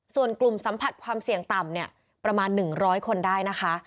ส่วนกลุ่มสัมผัสความเสี่ยงต่ำเนี่ยประมาณ๑๐๐คนได้นะคะ